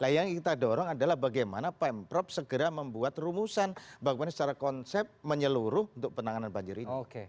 nah yang kita dorong adalah bagaimana pemprov segera membuat rumusan bagaimana secara konsep menyeluruh untuk penanganan banjir ini